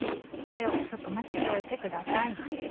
これをよく混ぜておいてください。